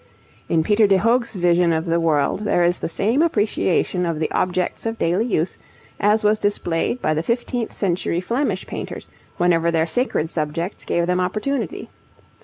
In Peter de Hoogh's vision of the world there is the same appreciation of the objects of daily use as was displayed by the fifteenth century Flemish painters whenever their sacred subjects gave them opportunity.